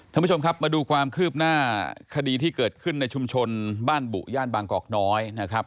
ท่านผู้ชมครับมาดูความคืบหน้าคดีที่เกิดขึ้นในชุมชนบ้านบุย่านบางกอกน้อยนะครับ